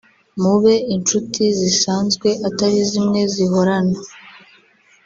Mube inshuti zisanzwe atari zimwe zihorana